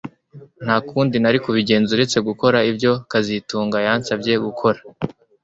Nta kundi nari kubigenza uretse gukora ibyo kazitunga yansabye gukora